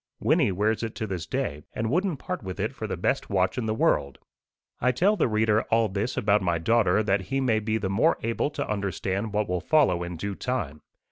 Wynnie wears it to this day, and wouldn't part with it for the best watch in the world. I tell the reader all this about my daughter that he may be the more able to understand what will follow in due time.